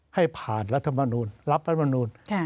ให้ผ่านรัฐมนูลรับรัฐมนูล